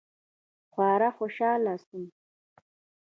خورا خوشاله سوم.